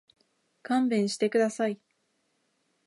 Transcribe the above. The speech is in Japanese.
勘弁してください。